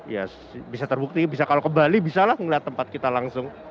ya bisa terbukti bisa kalau ke bali bisa lah melihat tempat kita langsung